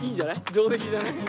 上出来じゃない？